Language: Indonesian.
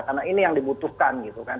karena ini yang dibutuhkan gitu kan